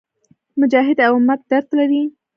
مجاهد د امت درد لري.